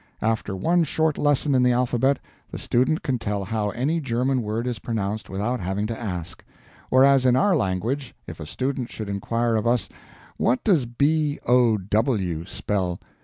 After one short lesson in the alphabet, the student can tell how any German word is pronounced without having to ask; whereas in our language if a student should inquire of us, "What does B, O, W, spell?"